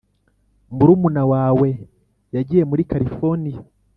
murumuna wawe yagiye muri californiya?